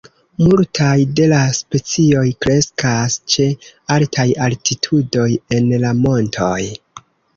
Multaj de la specioj kreskas ĉe altaj altitudoj en la montoj.